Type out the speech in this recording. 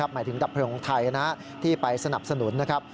หมายถึงดับเพลิงของไทยที่ไปสนับสนุนนะครับ